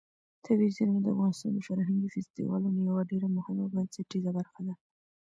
طبیعي زیرمې د افغانستان د فرهنګي فستیوالونو یوه ډېره مهمه او بنسټیزه برخه ده.